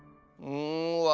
うん。